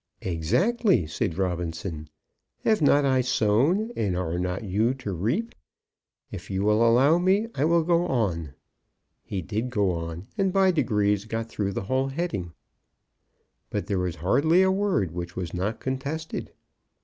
"Exactly," said Robinson. "Have not I sown, and are not you to reap? If you will allow me I will go on." He did go on, and by degrees got through the whole heading; but there was hardly a word which was not contested.